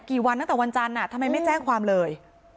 กี่วันตั้งแต่วันจันทร์ทำไมไม่แจ้งความเลย